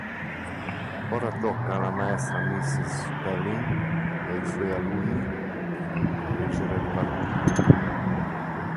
Ora tocca alla maestra Mrs Spelling e ai suoi alunni correggere le parole.